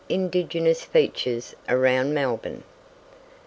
INDIGENOUS FEATURES AROUND MELBOURNE.